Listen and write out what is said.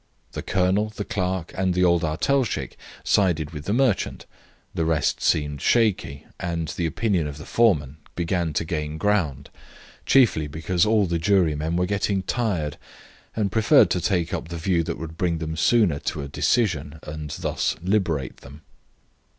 The colonel, the clerk and the old artelshik sided with the merchant, the rest seemed shaky, and the opinion of the foreman began to gain ground, chiefly because all the jurymen were getting tired, and preferred to take up the view that would bring them sooner to a decision and thus liberate them.